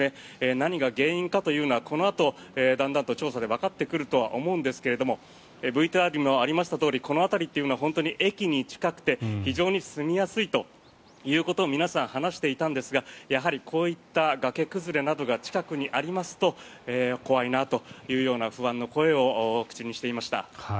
何が原因かというのはこのあと段々と調査でわかってくるとは思うんですがＶＴＲにもありましたとおりこの辺りというのは本当に駅に近くて非常に住みやすいということを皆さん、話していたんですがやはりこういった崖崩れなどが近くにありますと怖いなというような不安の声を口にしていました。